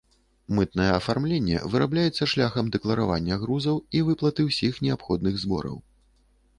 Мытнае афармленне вырабляецца шляхам дэкларавання грузаў і выплаты ўсіх неабходных збораў.